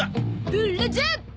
ブ・ラジャー！